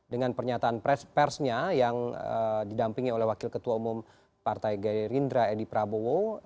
dengan pernyataan persnya yang didampingi oleh wakil ketua umum partai gerindra edi prabowo